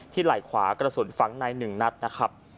ที่ไหลขวากระสุนฟังในหนึ่งนัดนะครับ